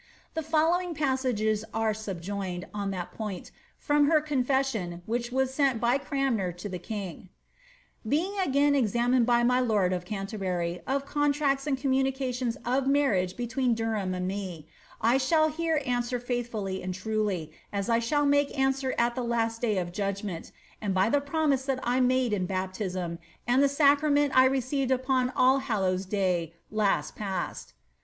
The following passages are subjoined, on that point, from her con fession, which was sent by Cranmer to the king :—^ Being again examined by my lord of Canterbury, of contracts and communications of marriage between Derham and me, I shall here answer faithfully and truly, as I shall make answer at the last day of judgment, and by the promise that I made in baptism, and the sacra ment I received upon All Hallows' day last past.